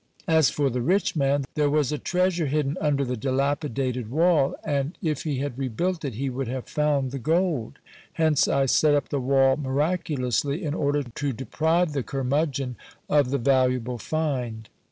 As for the rich man, there was a treasure hidden under the dilapidated wall, and, if he had rebuilt it, he would have found the gold; hence I set up the wall miraculously in order to deprive the curmudgeon of the valuable find.